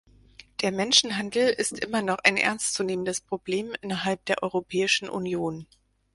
Der Menschenhandel ist immer noch ein ernstzunehmendes Problem innerhalb der Europäischen Union.